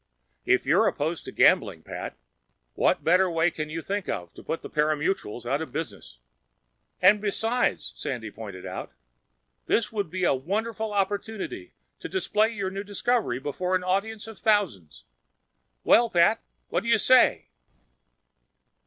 If you're opposed to gambling, Pat, what better way can you think of to put the parimutuels out of business?" "And besides," Sandy pointed out, "this would be a wonderful opportunity to display your new discovery before an audience of thousands. Well, Pat? What do you say?"